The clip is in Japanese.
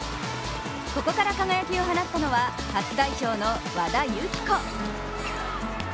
ここから輝きを放ったのは初代表の和田由紀子。